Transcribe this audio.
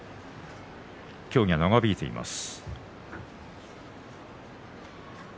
競技は長引いています。